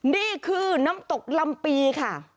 นี่คือน้ำตกลำปีค่ะ